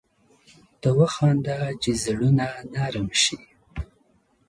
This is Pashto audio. ته وخانده چي زړونه نرم شي